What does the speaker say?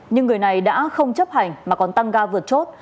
nhưng người này đã không chấp hành mà còn tăng ga vượt chốt